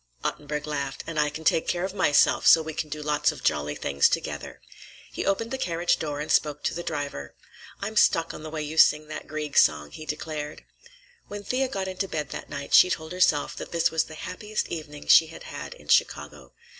Ottenburg laughed. "And I can take care of myself, so we can do lots of jolly things together." He opened the carriage door and spoke to the driver. "I'm stuck on the way you sing that Grieg song," he declared. When Thea got into bed that night she told herself that this was the happiest evening she had had in Chicago.